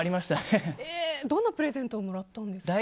どんなプレゼントもらったんですか？